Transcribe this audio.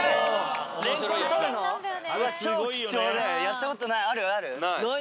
やったことない！